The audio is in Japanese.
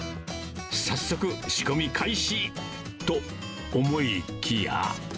早速、仕込み開始、と思いきや。